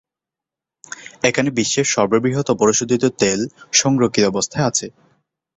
এখানে বিশ্বের সর্ববৃহৎ অপরিশোধিত তৈল সংরক্ষিত অবস্থায় আছে।